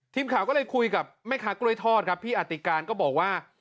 ทีมข่าวก็เลยคุยกับแม่ค้ากล้วยทอดครับพี่อติการก็บอกว่า